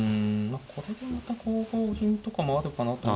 これでまた５五銀とかもあるかなと思った。